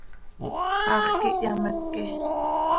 Hax quih hyameque.